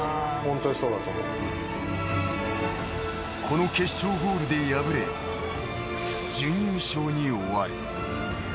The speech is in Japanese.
［この決勝ゴールで敗れ準優勝に終わる］